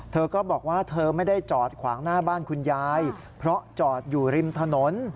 เธอก็บอกว่าเธอไม่ได้จอดขวางหน้าบ้านคุณยายเพราะจอดอยู่ริมถนน